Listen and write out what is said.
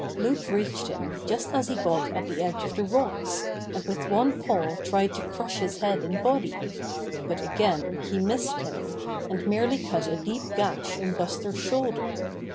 Loup reached him just as he got at the edge of the rocks, and with one paw tried to crush his head and body; but again he missed him, and merely cut a deep gash in Buster's shoulder.